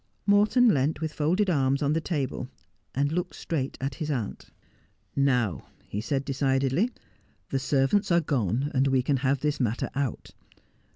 Morton leant with folded arms on the table, and looked straight across at his aunt. ' Now,' he said decidedly, ' the servants are gone, and we can have this matter out.